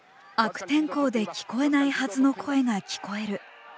悪天候で聞こえないはずの声が聞こえる。